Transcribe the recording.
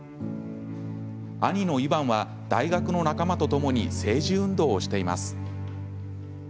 兄のイヴァンは大学の仲間とともに政治運動をしています。